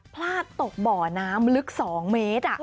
พลาดตกบ่อน้ำลึก๒เมตร